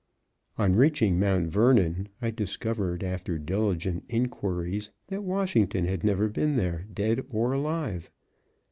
On reaching Mount Vernon, I discovered, after diligent inquiries, that Washington had never been there, dead or alive.